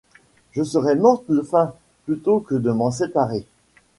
Je serais morte de faim, plutôt que de m'en séparer.